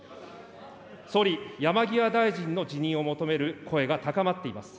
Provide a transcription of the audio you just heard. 総理、山際大臣の辞任を求める声が高まっています。